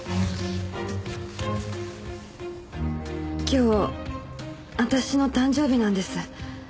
今日私の誕生日なんです。